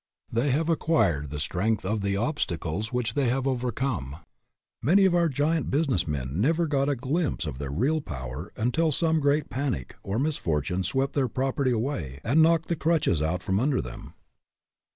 They have ac quired the strength of the obstacles which they have overcome. Many of our giant business men never got a glimpse of their real power until some great panic or misfortune swept their property away and knocked the crutches out from under them.